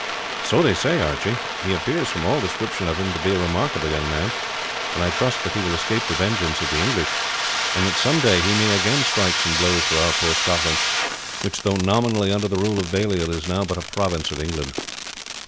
"So they say, Archie. He appears from all description of him to be a remarkable young man, and I trust that he will escape the vengeance of the English, and that some day he may again strike some blows for our poor Scotland, which, though nominally under the rule of Baliol, is now but a province of England."